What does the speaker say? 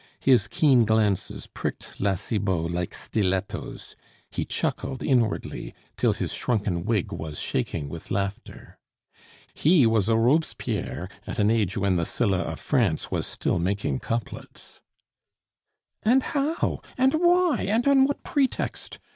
His keen glances pricked La Cibot like stilettos; he chuckled inwardly, till his shrunken wig was shaking with laughter. He was a Robespierre at an age when the Sylla of France was make couplets. "And how? and why? And on what pretext?"